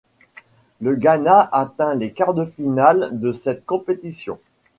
Le Ghana atteint les quarts de finale de cette compétition.